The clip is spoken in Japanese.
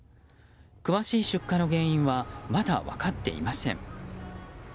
詳しい出火の原因はまだ分かっていません。